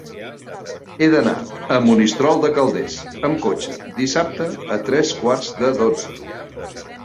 He d'anar a Monistrol de Calders amb cotxe dissabte a tres quarts de dotze.